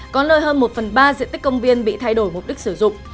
có nơi hơn một phần ba diện tích công viên bị thay đổi mục đích sử dụng